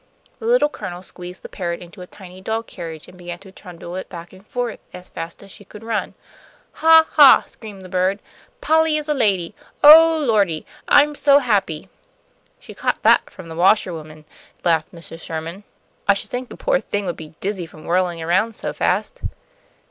The Little Colonel squeezed the parrot into a tiny doll carriage, and began to trundle it back and forth as fast as she could run. "Ha! ha!" screamed the bird. "Polly is a lady! Oh, Lordy! I'm so happy!" "She caught that from the washerwoman," laughed Mrs. Sherman. "I should think the poor thing would be dizzy from whirling around so fast."